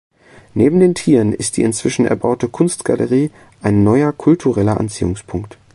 Neben den Tieren ist die inzwischen erbaute Kunstgalerie ein neuer kultureller Anziehungspunkt.